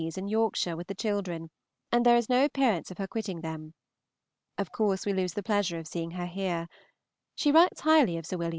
's, in Yorkshire, with the children, and there is no appearance of her quitting them. Of course we lose the pleasure of seeing her here. She writes highly of Sir Wm.